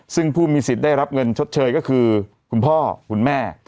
ซึ่งผู้มีสิทธิ์ได้รับเงินชดเชยก็คือคุณพ่อคุณแม่